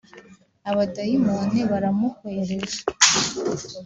Abadayimoni baramuhwereje